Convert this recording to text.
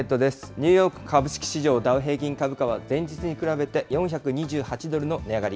ニューヨーク株式市場ダウ平均株価は前日に比べて４２８ドルの値上がり。